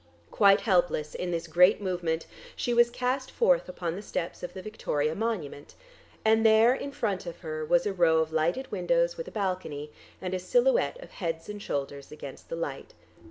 Quite helpless in this great movement, she was cast forth upon the steps of the Victoria monument, and there in front of her was a row of lighted windows with a balcony, and the silhouette of heads and shoulders against the light.